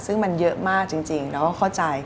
ซึ่งมันเยอะมากจริงเราก็เข้าใจ